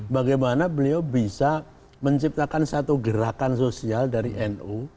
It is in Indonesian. bagaimana beliau bisa menciptakan satu gerakan sosial dari nu